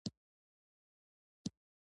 ملګری د ښېګڼې ملګری دی